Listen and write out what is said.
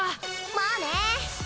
まあね